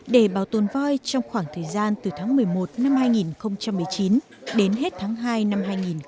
để bảo tồn voi trong khoảng thời gian từ tháng một mươi một năm hai nghìn một mươi chín đến hết tháng hai năm hai nghìn hai mươi